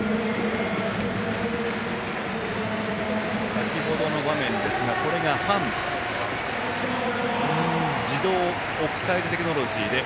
先程の場面ですがこれが半自動オフサイドテクノロジー。